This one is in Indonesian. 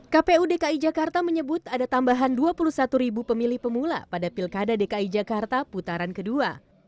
kpu dki jakarta menyebut ada tambahan dua puluh satu ribu pemilih pemula pada pilkada dki jakarta putaran kedua